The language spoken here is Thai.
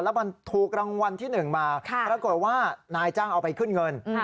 แล้วมันถูกรางวัลที่๑มาปรากฏว่านายจ้างเอาไปขึ้นเงิน